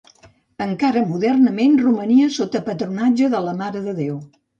Encara modernament romania sota patronatge de la Mare de Déu.